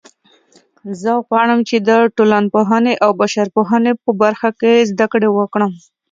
زه غواړم چې د ټولنپوهنې او بشرپوهنې په برخه کې زده کړه وکړم